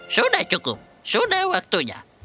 sudah cukup sudah waktunya